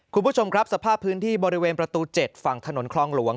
คุณผู้ชมครับสภาพพื้นที่บริเวณประตู๗ฝั่งถนนคลองหลวง